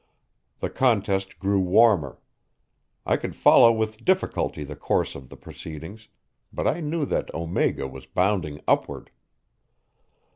The contest grew warmer. I could follow with difficulty the course of the proceedings, but I knew that Omega was bounding upward.